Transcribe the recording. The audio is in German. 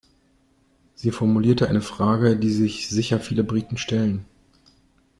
Sie formulierte eine Frage, die sich sicher viele Briten stellen.